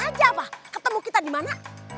atau kes aja mah ketemu kita dimana